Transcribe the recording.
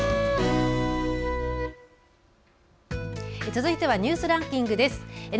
続いてはニュースランキングです。